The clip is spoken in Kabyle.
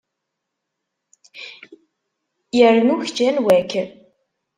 Yernu kečč anwa-k?